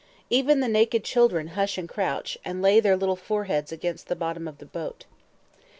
Even the naked children hush and crouch, and lay their little foreheads against the bottom of the boat.